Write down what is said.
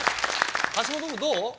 橋本君どう？